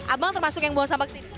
abang termasuk yang bawa sampah ke sini